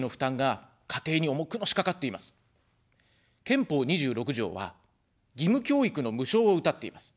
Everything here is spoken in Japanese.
憲法２６条は、義務教育の無償をうたっています。